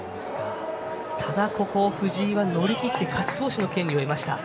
ただ、藤井は乗り切って勝ち投手の権利を得ました。